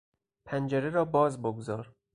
پنجره را باز بگذار!